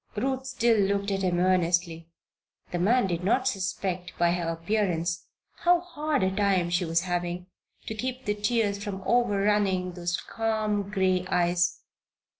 Ruth still looked at him earnestly. The man did not suspect, by her appearance, how hard a time she was having to keep the tears from overrunning those calm, gray eyes.